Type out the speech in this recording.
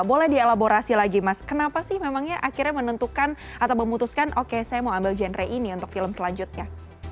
boleh dielaborasi lagi mas kenapa sih memangnya akhirnya menentukan atau memutuskan oke saya mau ambil genre ini untuk film selanjutnya